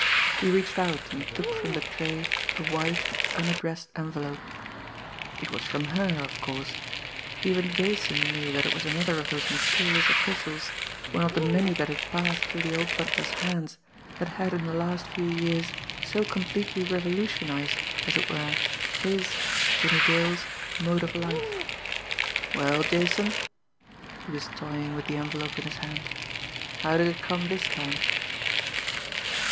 He reached out and took from the tray a white, unaddressed envelope. It was from her, of course even Jason knew that it was another of those mysterious epistles, one of the many that had passed through the old butler's hands, that had in the last few years so completely revolutionised, as it were, his, Jimmie Dale's, mode of life. "Well, Jason?" He was toying with the envelope in his hand. "How did it come this time?"